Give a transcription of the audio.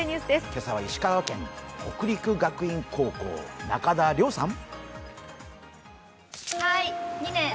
今朝は石川県、北陸学院高校、中田菱さん。